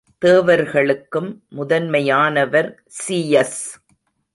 தேவர்களுக்கும் முதன்மையானவர் சீயஸ்.